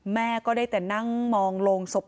แม่ก็ได้แต่นั่งมองโรงศพ